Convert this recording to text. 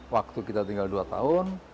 waktu kita tinggal dua tahun